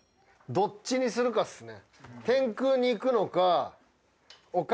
どっちにするかっすね。